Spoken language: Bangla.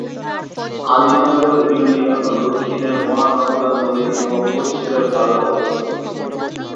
আলীনগর ইউনিয়ন এর দক্ষিণে মহানন্দা নদী এবং পশ্চিমে ভারত অবস্থিত।